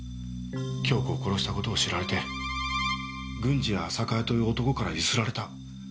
杏子を殺した事を知られて軍司や浅川という男からゆすられた。